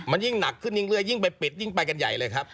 มันยิ่งหนักขึ้นเรื่อยยิ่งไปปิดยิ่งไปกันใหญ่เลยครับ